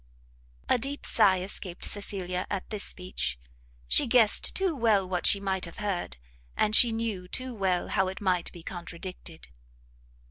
A deep sigh escaped Cecilia at this speech; she guessed too well what she might have heard, and she knew too well how it might be contradicted.